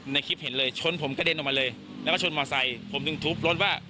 ในคลิปเห็นเลยชนผมกระเด็นออกมาเลยแล้วก็ชนมอไซค์ผมถึงทุบรถว่า